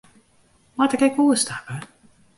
Moat ik ek oerstappe?